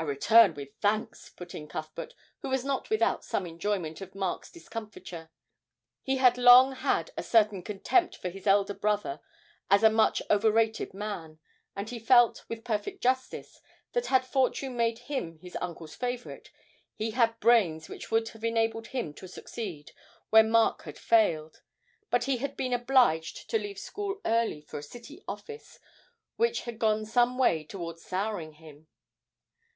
'A return with thanks,' put in Cuthbert, who was not without some enjoyment of Mark's discomfiture; he had long had a certain contempt for his elder brother as a much overrated man, and he felt, with perfect justice, that had Fortune made him his uncle's favourite, he had brains which would have enabled him to succeed where Mark had failed; but he had been obliged to leave school early for a City office, which had gone some way towards souring him.